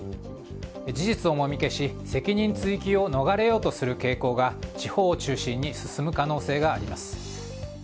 事実をもみ消し責任追及を逃れようとする傾向が地方を中心に進む可能性があります。